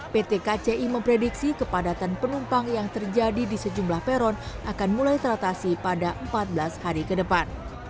pt kci memprediksi kepadatan penumpang yang terjadi di sejumlah peron akan mulai teratasi pada empat belas hari ke depan